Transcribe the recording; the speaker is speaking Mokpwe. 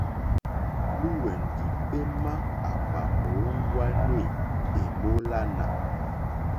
Lwɛ̌ndì émá à mà mòóŋwánê èmólánà.